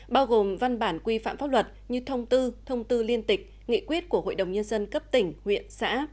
bao gồm văn bản quy phạm pháp luật như thông tư thông tư liên tịch nghị quyết của hội đồng nhân dân cấp tỉnh huyện xã